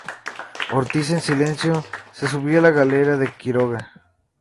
Ortiz, en silencio, se subió a la galera de Quiroga.